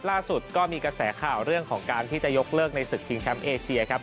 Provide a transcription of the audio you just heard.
ล่าสุดก็มีกระแสข่าวเรื่องของการที่จะยกเลิกในศึกชิงแชมป์เอเชียครับ